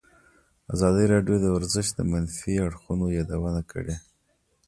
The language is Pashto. ازادي راډیو د ورزش د منفي اړخونو یادونه کړې.